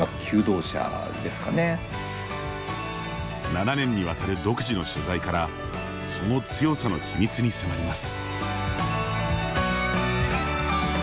７年にわたる独自の取材からその強さの秘密に迫ります。